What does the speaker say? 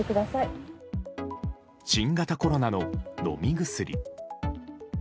新型コロナの飲み薬。